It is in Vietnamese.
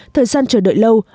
thời gian chờ đợi lâu